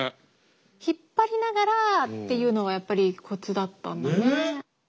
引っ張りながらっていうのがやっぱりコツだったんだね。